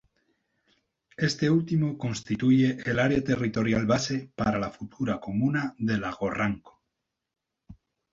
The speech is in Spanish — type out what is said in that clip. Este último constituye el área territorial base para la futura comuna de Lago Ranco.